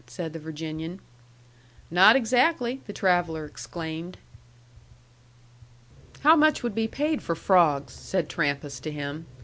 said the Virginian. "Not exactly!" the traveller exclaimed. "How much would be paid for frogs?" said Trampas to him.